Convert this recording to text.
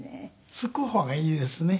すく方がいいですね